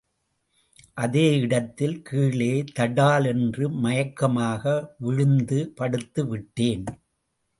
அதே இடத்தில் கீழே தடால் என்று மயக்கமாக விழுந்து படுத்து விட்டேன்.